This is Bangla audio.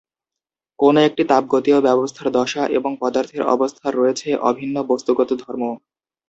কোনো একটি তাপগতীয় ব্যবস্থার দশা এবং পদার্থের অবস্থার রয়েছে অভিন্ন বস্তুগত ধর্ম।